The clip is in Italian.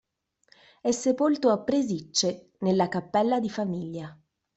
È sepolto a Presicce nella cappella di famiglia.